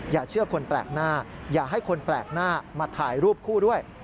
อย่าเชื่อคนแปลกหน้าอย่าให้คนแปลกหน้ามาถ่ายรูปคู่ด้วย